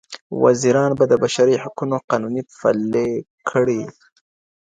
وزیران به د بشري حقونو قانون پلی کړي.